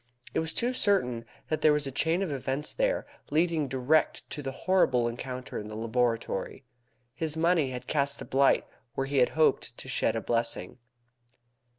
It was too certain that there was a chain of events there leading direct to the horrible encounter in the laboratory. His money had cast a blight where he had hoped to shed a blessing.